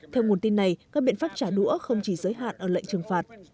theo nguồn tin này các biện pháp trả đũa không chỉ giới hạn ở lệnh trừng phạt